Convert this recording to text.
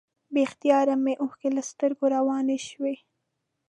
بې اختیاره مې اوښکې له سترګو روانې شوې.